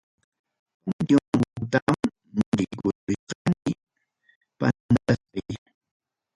Panteón ukutam yaykurusqani, pantaspay.